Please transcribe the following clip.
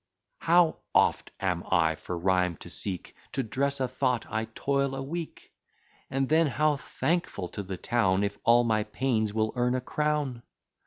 How oft am I for rhyme to seek! To dress a thought I toil a week: And then how thankful to the town, If all my pains will earn a crown!